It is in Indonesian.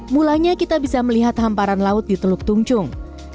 mulanya kita bisa melihat hamparan laut di teluk tungcung